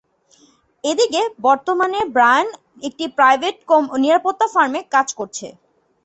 এদিকে বর্তমানে ব্রায়ান একটি প্রাইভেট নিরাপত্তা ফার্মে কাজ করে।